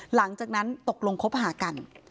หลังจากนั้นตกลงคบหากัน